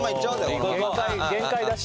限界だし。